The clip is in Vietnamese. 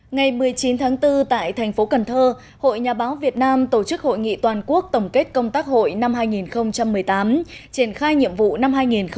ngày một mươi chín tháng bốn tại thành phố cần thơ hội nhà báo việt nam tổ chức hội nghị toàn quốc tổng kết công tác hội năm hai nghìn một mươi tám triển khai nhiệm vụ năm hai nghìn một mươi chín